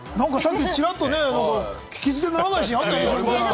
ちらっと聞き捨てならないシーンがありましたね。